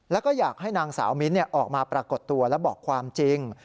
แล้วก็อยากให้นางสาวมิ้นออกมาปรากฏตัวและบอกความจริง